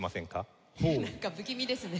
なんか不気味ですね。